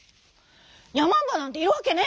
「やまんばなんているわけねえ。